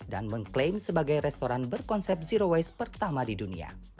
dan mengklaim sebagai restoran berkonsep zero waste pertama di dunia